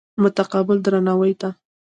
متقابل درناوي ته.